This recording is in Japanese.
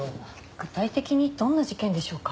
具体的にどんな事件でしょうか？